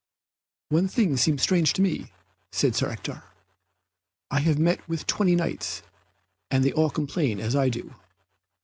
"One thing seems strange to me," said Sir Ector, "I have met with twenty Knights, and they all complain as I do."